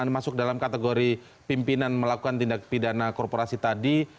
masuk dalam kategori pimpinan melakukan tindak pidana korporasi tadi